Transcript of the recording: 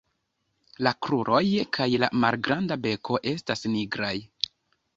La kruroj kaj la malgranda beko estas nigraj.